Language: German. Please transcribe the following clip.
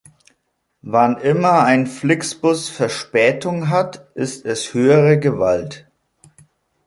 Wann immer ein Flixbus Verspätung hat, ist es höhere Gewalt.